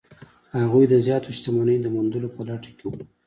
هغوی د زیاتو شتمنیو د موندلو په لټه کې وو.